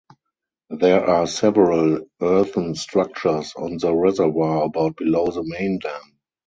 There are several earthen structures on the reservoir about below the main dam.